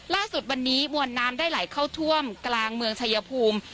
ล่าสุดวันนี้มวลน้ำได้ไหลเข้าท่วมกลางเมืองชายภูมิ